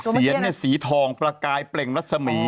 เสี๋ยนสีถองพลากรายเปล่งรัดสมี